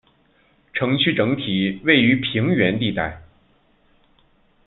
城区整体位于平原地带。